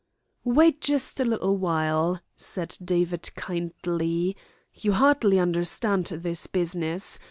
"Wait just a little while," said David kindly. "You hardly understand this business.